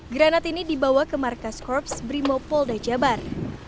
granat ini dibawa ke markas korps brimob polda jabar